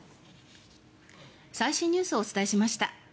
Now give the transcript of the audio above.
最新ニュースをお伝えしました。